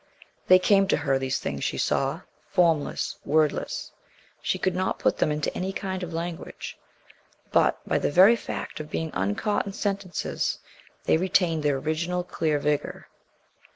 They came to her, these things she saw, formless, wordless; she could not put them into any kind of language; but by the very fact of being uncaught in sentences they retained their original clear vigor.